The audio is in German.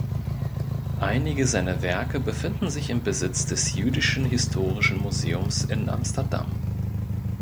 Einige seiner Werke befinden sich im Besitz des Jüdischen Historischen Museums in Amsterdam.